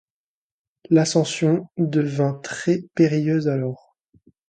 L’ascension devint très-périlleuse alors.